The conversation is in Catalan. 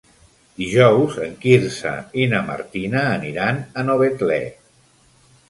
Dijous en Quirze i na Martina aniran a Novetlè.